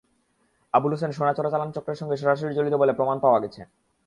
আবুল হোসেন সোনা চোরাচালান চক্রের সঙ্গে সরাসরি জড়িত বলে প্রমাণ পাওয়া গেছে।